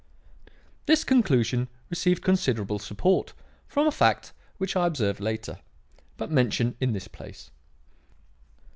"This conclusion received considerable support from a fact which I observed later, but mention in this place.